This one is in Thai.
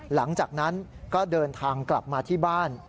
หลังจากนั้นก็เดินทางกลับมาที่บ้าน